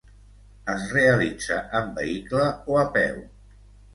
Es realitza en vehicle, o a peu.